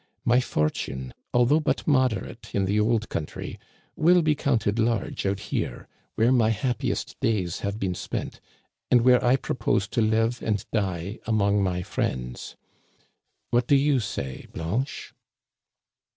My fortune, although but moderate in the old country, will be counted large out here, where my happiest days have been spent, and where I propose to live and die among my friends. What do you say, Blanche